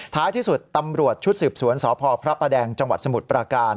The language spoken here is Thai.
ท้ายที่สุดตำรวจชุดสืบสวนสพพระประแดงจังหวัดสมุทรปราการ